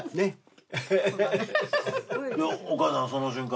お母さんはその瞬間。